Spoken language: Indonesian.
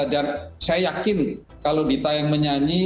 dan saya yakin kalau dita yang menyanyi